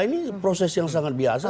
ini proses yang sangat biasa